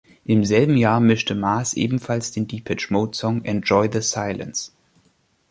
Im selben Jahr mischte Maas ebenfalls den Depeche Mode Song „Enjoy the silence“.